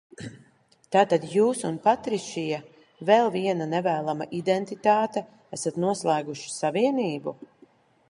Tātad jūs un Patrišija, vēl viena nevēlama identitāte, esat noslēguši savienību?